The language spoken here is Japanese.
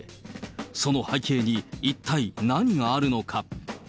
その背景に一体何があるのか。